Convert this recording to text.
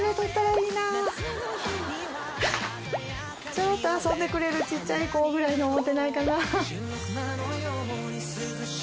ちょっと遊んでくれるちっちゃい子ぐらいに思ってないかな。